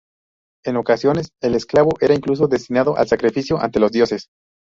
En ocasiones el esclavo era incluso destinado al sacrificio ante los dioses.